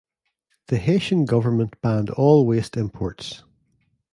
The Haitian government banned all waste imports.